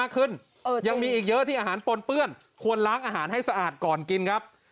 สีดังนั้นครับ